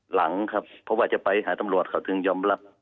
หลังครับเพราะว่าจะไปหาตำรวจเขาถึงยอมรับ